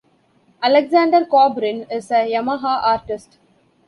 Alexander Kobrin is a Yamaha Artist.